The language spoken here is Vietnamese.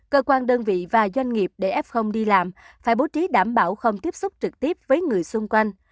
cơ quan đơn vị và doanh nghiệp để f đi làm phải bố trí đảm bảo không tiếp xúc trực tiếp với người xung quanh